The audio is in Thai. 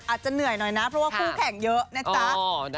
อาจจะเหนื่อยหน่อยนะเพราะว่าคู่แข่งเยอะนะจ๊ะ